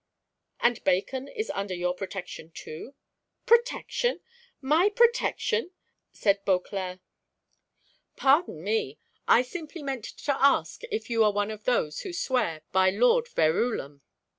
"And Bacon is under your protection, too?" "Protection! my protection?" said Beauclerc. "Pardon me, I simply meant to ask if you are one of those who swear by Lord Verulam."